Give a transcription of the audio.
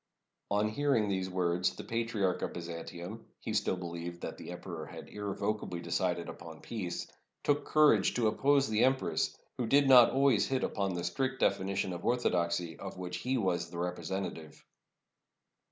On hearing these words, the Patriarch of Byzantium — he still believed that the emperor had irrevocably decided upon peace — took courage to oppose the em press, who did not always hit upon the strict definition of orthodoxy of which he was the representative.